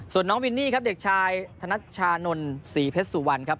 ส่วนน้องวินนี่ครับเด็กชายธนัชชานนท์ศรีเพชรสุวรรณครับ